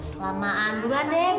hah lama anduran deng